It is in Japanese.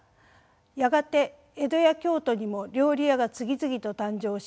やがて江戸や京都にも料理屋が次々と誕生します。